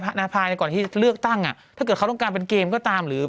การพักร่วมก็คือการยกมือมันไม่ผ่าน